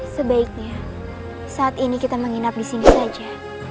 sebaiknya saat ini kita menginap disini saja